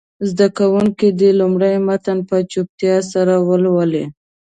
زده کوونکي دې لومړی متن په چوپتیا سره ولولي.